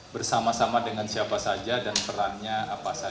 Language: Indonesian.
bersama sama dengan siapa saja dan perannya apa saja